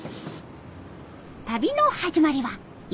旅の始まりは池袋。